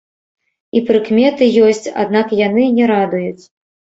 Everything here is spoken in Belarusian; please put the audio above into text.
І прыкметы ёсць, аднак яны не радуюць.